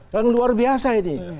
yang luar biasa ini